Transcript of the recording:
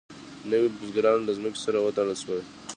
نوي بزګران له ځمکې سره وتړل شول.